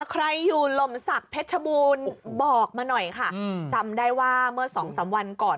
ใครอยู่ลมศักดิ์เพชรบูรณ์บอกมาหน่อยค่ะจำได้ว่าเมื่อสองสามวันก่อน